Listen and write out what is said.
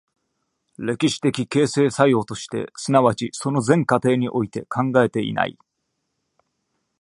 歴史的形成作用として、即ちその全過程において考えていない。